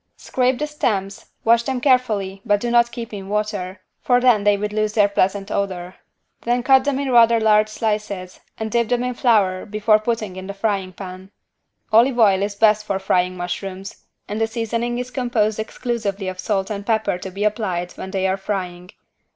Scrape the stems, wash them carefully but do not keep in water, for then they would lose their pleasant odor. Then cut them in rather large slices and dip them in flour before putting in the frying pan. Olive oil is best for frying mushrooms and the seasoning is composed exclusively of salt and pepper to be applied when they are frying.